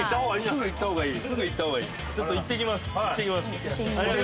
すぐ行った方がいい。